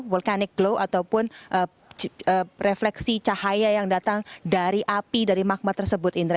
vulkanik glow ataupun refleksi cahaya yang datang dari api dari magma tersebut indra